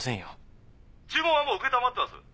☎注文はもう承ってます。